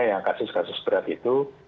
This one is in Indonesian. yang kasus kasus berat itu